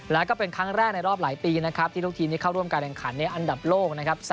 แล้วก็เป็นครั้งแรกในรอบหลายปีนะครับที่ลูกทีมที่เข้าร่วมการแข่งขันในอันดับโลกนะครับ